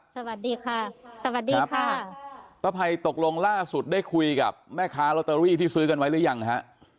สวัสดีค่ะสวัสดีค่ะป้าภัยตกลงล่าสุดได้คุยกับแม่ค้าลอตเตอรี่ที่ซื้อกันไว้หรือยังฮะ